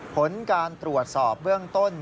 ผลการตรวจสอบเบื้องต้น